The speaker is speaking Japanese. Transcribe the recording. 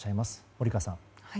森川さん。